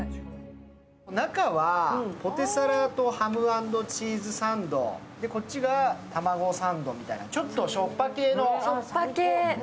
中はポテサラとハム＆チーズサンド、こっちがたまごサンドみたいな、ちょっとしょっぱ系の。